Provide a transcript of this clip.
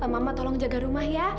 mama tolong jaga rumah ya